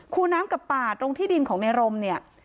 ูน้ำกับป่าตรงที่ดินของในรมเนี่ย